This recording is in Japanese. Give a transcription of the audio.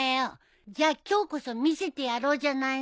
じゃあ今日こそ見せてやろうじゃないの。